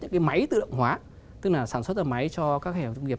những cái máy tự động hóa tức là sản xuất ra máy cho các hẻo trung nghiệp